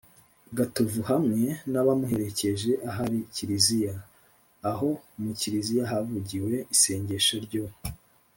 gatovu hamwe n’abamuherekeje ahari kiliziya. aho mu kiliziya havugiwe isengesho ryo